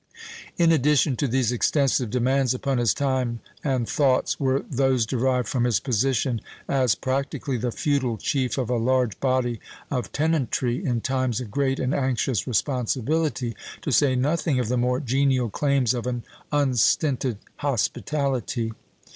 In addition to these extensive demands upon his time and thoughts, were those derived from his position as practically the feudal chief of a large body of tenantry in times of great and anxious responsibility, to say nothing of the more genial claims of an unstinted hospitality.